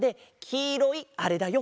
きいろいあれだよ。